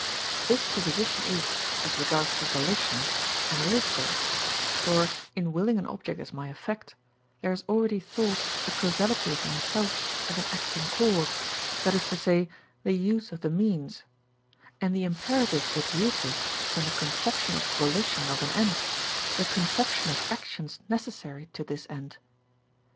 This proposition is, as regards the volition, analytical; for, in willing an object as my effect, there is already thought the causality of myself as an acting cause, that is to say, the use of the means; and the imperative educes from the conception of volition of an end the conception of actions necessary to this end.